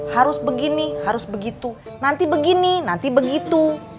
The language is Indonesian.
harus begini harus begitu nanti begini nanti begitu